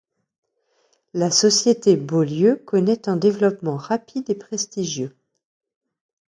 La Société Beaulieu connaît un développement rapide et prestigieux.